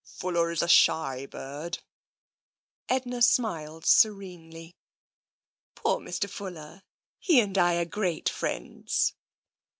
" Fuller is a shy bird." Edna smiled serenely. " Poor Mr. Fuller, he and I are great friends."